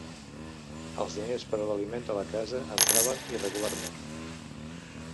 Els diners per a l'aliment de la casa entraven irregularment.